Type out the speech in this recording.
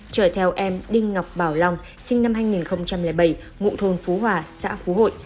chở theo em đinh ngọc bảo long sinh năm hai nghìn bảy ngụ thôn phú hòa xã phú hội